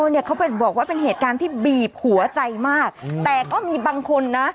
เนี่ยเขาบอกว่าเป็นเหตุการณ์ที่บีบหัวใจมากแต่ก็มีบางคนนะ